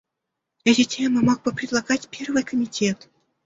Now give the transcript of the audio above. Эти темы мог бы предлагать Первый комитет.